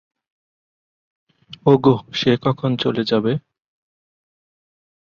ওগো, সে কখন চলে যাবে?